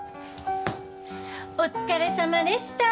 お疲れさまでした！